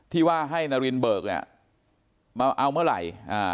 ที่ว่าให้นารินเบิกเนี่ยมาเอาเมื่อไหร่